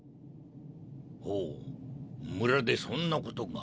ほう村でそんなことが。